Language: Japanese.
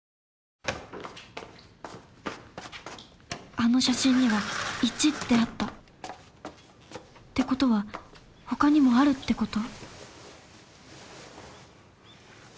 あの写真にはってあったってことは他にもあるってこと？